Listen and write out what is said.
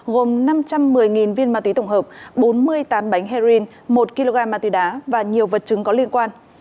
gồm năm trăm một mươi viên ma túy tổng hợp bốn mươi tám bánh heroin một kg ma túy đá và nhiều vật chứng có liên quan